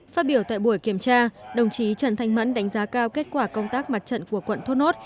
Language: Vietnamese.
phát biểu tại buổi kiểm tra đồng chí trần thanh mẫn đánh giá cao kết quả công tác mặt trận của quận thốt nốt